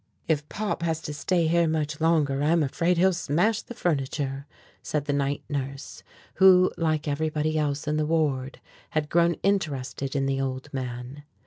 "If Pop has to stay here much longer, I'm afraid he'll smash the furniture," said the night nurse who, like everybody else in the ward, had grown interested in the old man.